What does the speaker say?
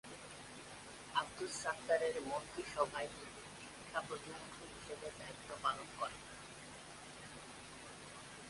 আবদুস সাত্তারের মন্ত্রিসভায় তিনি শিক্ষা প্রতিমন্ত্রী হিসেবে দায়িত্ব পালন করেন।